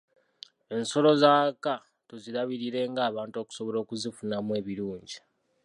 Ensolo z'awaka tuzirabirire ng'abantu okusobola okuzifunamu ebirungi.